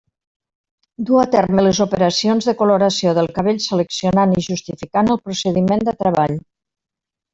Du a terme les operacions de coloració del cabell seleccionant i justificant el procediment de treball.